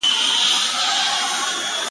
هغه هغه پخوا چي يې شپېلۍ ږغول